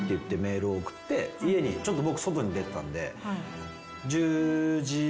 ちょっと僕外に出てたんで。